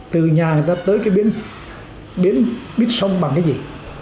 từ nhà người ta tới cái biến buýt sông bằng cái gì